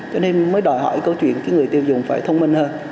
cho nên mới đòi hỏi câu chuyện cái người tiêu dùng phải thông minh hơn